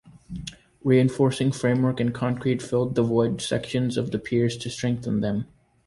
Reinforcing framework and concrete filled the void sections of the piers to strengthen them.